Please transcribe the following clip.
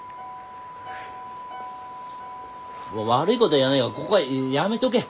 悪いこた言わねえがここはやめとけ。